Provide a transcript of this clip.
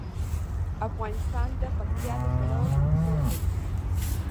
افغانستان د پکتیا له پلوه متنوع دی.